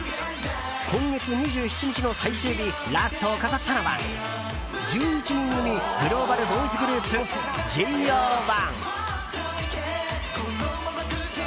今月２７日の最終日ラストを飾ったのは１１人組グローバルボーイズグループ、ＪＯ１。